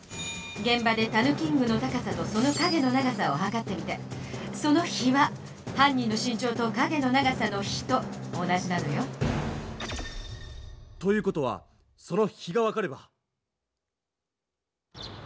げん場でたぬキングの高さとその影の長さをはかってみてその比は犯人の身長と影の長さの比と同じなのよ。という事はその比が分かれば。